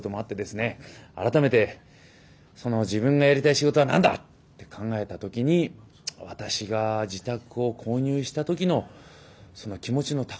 改めて自分がやりたい仕事は何だって考えた時に私が自宅を購入した時の気持ちの高ぶりをですね。